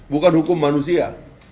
bukan hukum manusia